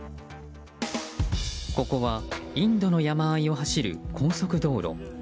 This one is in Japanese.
ここは、インドの山あいを走る高速道路。